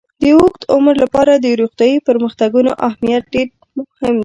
د اوږد عمر لپاره د روغتیايي پرمختګونو اهمیت ډېر دی.